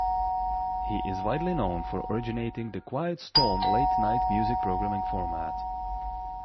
He is widely known for originating the "Quiet Storm" late-night music programming format.